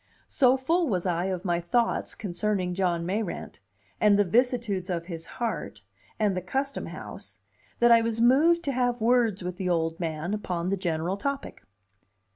So full was I of my thoughts concerning John Mayrant, and the vicissitudes of his heart, and the Custom House, that I was moved to have words with the old man upon the general topic.